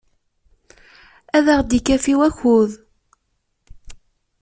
Ad aɣ-d-ikafi wakud.